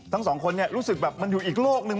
ทั้งสองคนเนี่ยรู้สึกแบบมันอยู่อีกโลกนึง